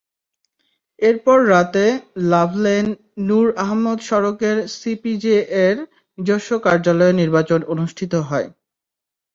এরপর রাতে লাভলেন নূর আহমদ সড়কের সিপিজেএর নিজস্ব কার্যালয়ে নির্বাচন অনুষ্ঠিত হয়।